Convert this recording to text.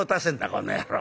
この野郎。